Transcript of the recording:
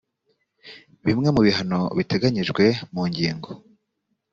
bimwe mu bihano biteganyijwe mu ngingo